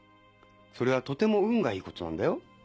それはとても運がいいことなんだよ。